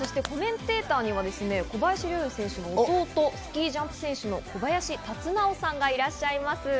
コメンテーターには小林陵侑選手の弟、スキージャンプ選手の小林龍尚さんがいらっしゃいます。